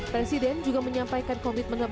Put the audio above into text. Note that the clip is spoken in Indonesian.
presiden juga menyampaikan covid sembilan belas menemani